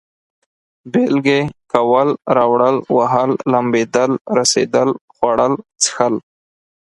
بېلگې: کول، راوړل، وهل، لمبېدل، رسېدل، خوړل، څښل